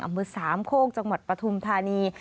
อำเมิด๓โคกจังหวัดปทุมธานี